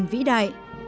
quang vinh vĩ đại